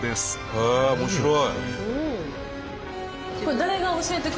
へえ面白い。